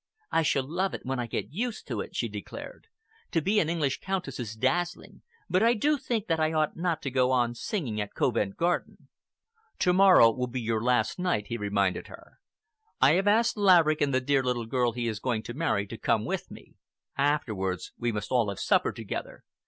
"I shall love it when I get used to it," she declared. "To be an English Countess is dazzling, but I do think that I ought not to go on singing at Covent Garden." "To morrow will be your last night," he reminded her. "I have asked Laverick and the dear little girl he is going to marry to come with me. Afterwards we must all have supper together."